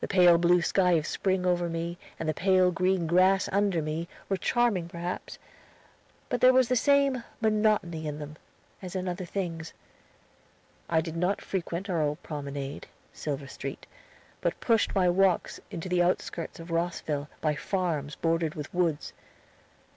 The pale blue sky of spring over me, and the pale green grass under me, were charming perhaps; but there was the same monotony in them, as in other things. I did not frequent our old promenade, Silver Street, but pushed my walks into the outskirts of Rosville, by farms bordered with woods.